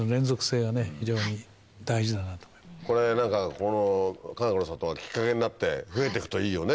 このかがくの里がきっかけになって増えていくといいよね。